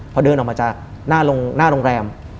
พอเดินออกมาจากหน้าโรงแรม